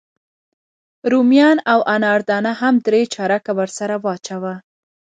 رومیان او انار دانه هم درې چارکه ورسره واچوه.